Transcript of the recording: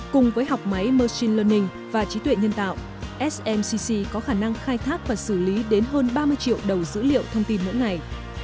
cùng với học máy machine learning và trí tuệ nhân tạo smcc có khả năng khai thác và xử lý đến hơn ba mươi triệu đầu dữ liệu thông tin mỗi ngày